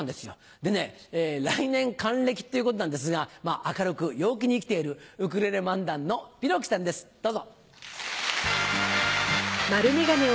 でね来年還暦っていうことなんですが明るく陽気にいきているウクレレ漫談のぴろきさんですどうぞ。